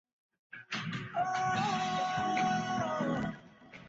পানির চাপে খালের বাম তীর বাঁধ ভেঙে আমনখেতে পানি ঢুকে যায়।